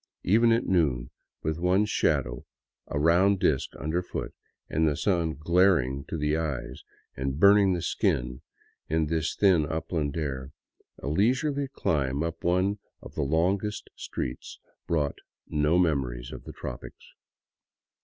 Even at noon, with one's shadow a round disk under foot and the sun glaring to the eyes and burning the skin in this thin, upland air, a leisurely climb up one of the longest streets brought no memories of the tropics.